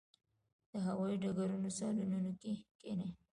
د هوايي ډګرونو صالونونو کې کښېني.